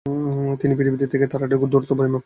তিনি পৃথিবী থেকে তারাটির দূরত্ব পরিমাপ করেন।